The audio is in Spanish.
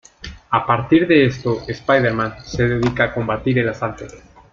A partir de esto, Spider-Man se dedica a combatir el asalto.